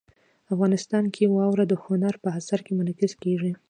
افغانستان کې واوره د هنر په اثار کې منعکس کېږي.